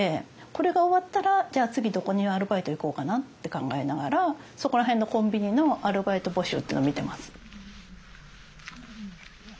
これが終わったらじゃあ次どこにアルバイト行こうかなって考えながらそこら辺のコンビニのアルバイト募集っていうの見てます。